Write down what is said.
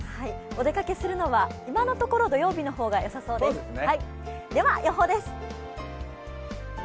お出かけするのは今のところ土曜日の方がよさそうですね。